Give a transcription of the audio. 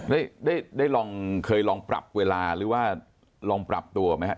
ได้ได้ลองเคยลองปรับเวลาหรือว่าลองปรับตัวไหมครับ